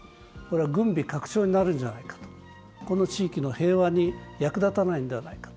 軍備拡張になるんじゃないか、この地域の平和に役立たないのではないか。